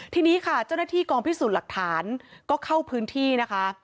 ทีนี้ค่ะเจ้าหน้าที่กองพิสูจน์หลักฐานก็เข้าพื้นที่นะคะ